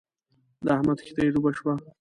د احمد کښتی ډوبه شوه.